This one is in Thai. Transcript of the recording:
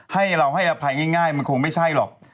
ให้เราให้อภัยง่ายมันคงไม่ใช่หรอก